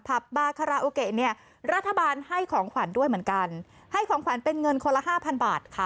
บาคาราโอเกะเนี่ยรัฐบาลให้ของขวัญด้วยเหมือนกันให้ของขวัญเป็นเงินคนละห้าพันบาทค่ะ